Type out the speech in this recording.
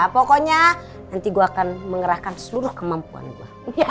pokoknya nanti gue akan mengerahkan seluruh kemampuan gue